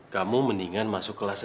kamu mendingan masuk kelas satu